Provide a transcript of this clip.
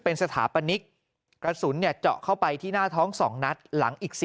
เป็นสถาปนิกกระสุนเจาะเข้าไปที่หน้าท้อง๒นัดหลังอีก๔